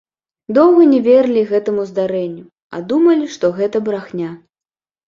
Доўга не верылі гэтаму здарэнню, а думалі, што гэта брахня.